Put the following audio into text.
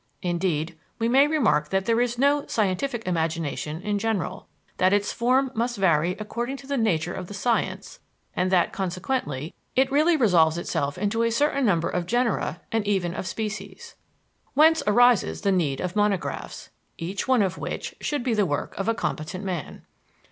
Indeed, we may remark that there is no "scientific imagination" in general, that its form must vary according to the nature of the science, and that, consequently, it really resolves itself into a certain number of genera and even of species. Whence arises the need of monographs, each one of which should be the work of a competent man.